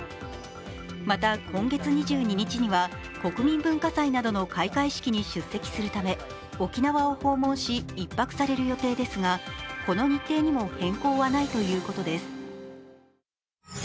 また今月２２日には国民文化祭などの開会式に出席するため沖縄を訪問し、１泊される予定ですが、この日程にも変更はないということです。